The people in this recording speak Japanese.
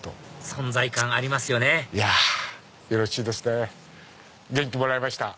存在感ありますよねよろしいですね元気もらいました。